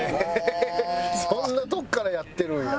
そんなとこからやってるんや。